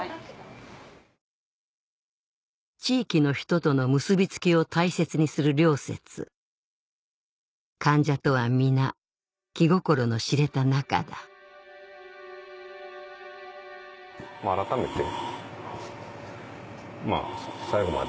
地域の人との結び付きを大切にする良雪患者とは皆気心の知れた仲だ改めて。